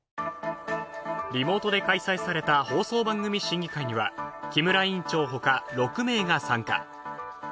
リモートで開催された放送番組審議会には木村委員長ほか６名が参加。